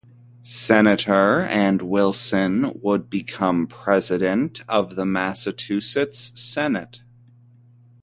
Senator and Wilson would become President of the Massachusetts Senate.